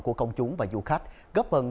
của công chúng và du khách góp vần